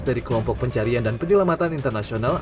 dari kelompok pencarian dan penyelamatan internasional atau insar